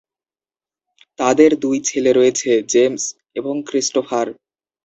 তাদের দুই ছেলে রয়েছে: জেমস এবং ক্রিস্টোফার।